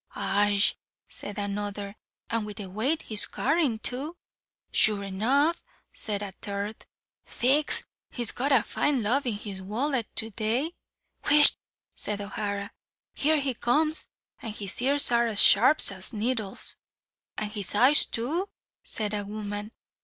"Aye," said another, "and with the weight he's carrying too." "Sure enough," said a third. "Faix he's got a fine lob in his wallet to day." "Whisht!" said O'Hara. "Here he comes, and his ears are as sharp as needles." "And his eyes too," said a woman.